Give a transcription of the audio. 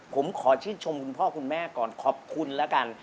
ผมขอชื่นชมคุณพ่อคุณแม่ก่อนขอบคุณแล้วกัน